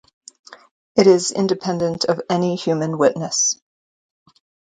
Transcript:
It is independent of any human witness.